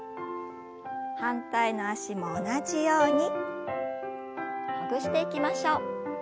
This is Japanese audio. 反対の脚も同じようにほぐしていきましょう。